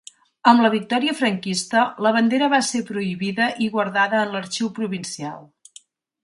Amb la victòria franquista, la bandera va ser prohibida i guardada en l'Arxiu Provincial.